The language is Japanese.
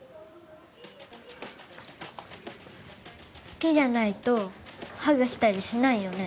好きじゃないとハグしたりしないよね？